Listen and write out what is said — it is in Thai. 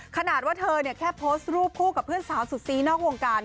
ขนาดว่าเธอเนี่ยแค่โพสต์รูปคู่กับเพื่อนสาวสุดซี้นอกวงการ